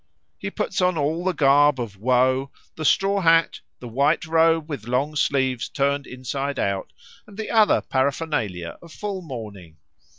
He puts on all the garb of woe, the straw hat, the white robe with long sleeves turned inside out, and the other paraphernalia of full mourning.